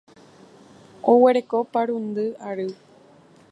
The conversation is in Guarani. Oguereko parundy ary.